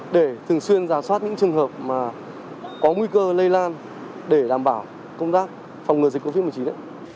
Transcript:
để thường xuyên giả soát những trường hợp mà có nguy cơ lây lan để đảm bảo công tác phòng ngừa dịch covid một mươi chín